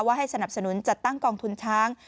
ให้สนับสนุนจัดตั้งกองทุนช้าง